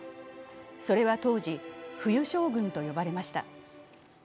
それは当時、冬将軍と呼ばれました